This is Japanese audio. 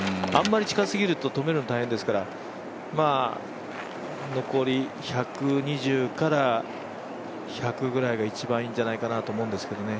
あまり近すぎると止めるの大変ですから残り１２０から１００ぐらいが一番いいんじゃないかと思います。